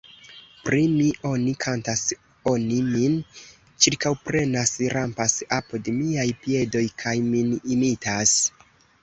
Pri mi oni kantas, oni min ĉirkaŭprenas, rampas apud miaj piedoj kaj min imitas.